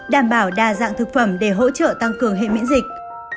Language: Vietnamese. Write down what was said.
đảm bảo đa dạng thực phẩm để hỗ trợ tăng cường hệ miễn dịch